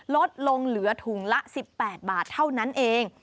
ลดลงเหลือถุงละ๑๘บาทเท่านั้นเอง